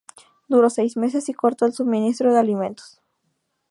Duró seis meses y cortó el suministro de alimentos.